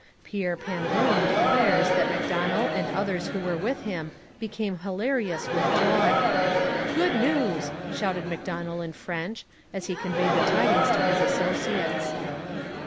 Pierre Pambrun declares that Macdonell and others who were with him became hilarious with joy. 'Good news,' shouted Macdonell in French, as he conveyed the tidings to his associates.